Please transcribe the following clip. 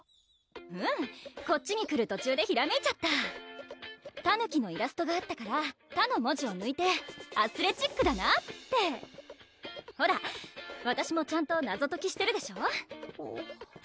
うんこっちに来る途中でひらめいちゃったたぬきのイラストがあったから「た」の文字をぬいて「アスレチック」だなーってほらわたしもちゃんと謎ときしてるでしょ？